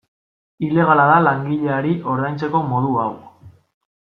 Ilegala da langileari ordaintzeko modu hau.